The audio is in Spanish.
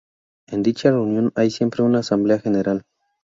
En dicha reunión hay siempre una Asamblea General.